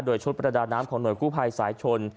โดยชุดประดาน้ำของหน่วยกู้ภัยสายชน